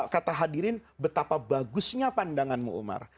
kata hadirin betapa bagusnya pandanganmu umar